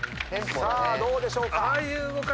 さあどうでしょうか？